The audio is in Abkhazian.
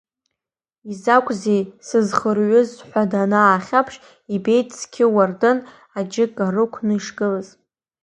Изакәзеи сызхыҩрыз ҳәа данаахьаԥш, ибеит зқьы уардын аџьыка рықәны ишгылаз.